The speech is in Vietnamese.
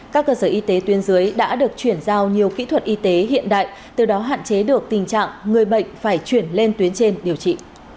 các cơ sở y tế tuyến dưới đã được chuyển giao nhiều kỹ thuật y tế hiện đại từ đó hạn chế được tình trạng người bệnh phải chuyển lên tuyến trên điều trị